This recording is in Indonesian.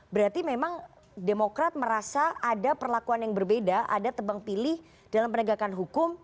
berarti memang demokrat merasa ada perlakuan yang berbeda ada tebang pilih dalam penegakan hukum